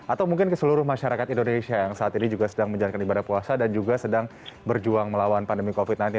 atau mungkin ke seluruh masyarakat indonesia yang saat ini juga sedang menjalankan ibadah puasa dan juga sedang berjuang melawan pandemi covid sembilan belas